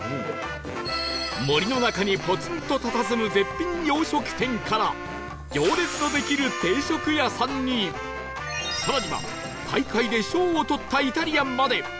森の中にポツンと佇む絶品洋食店から行列のできる定食屋さんに更には大会で賞をとったイタリアンまで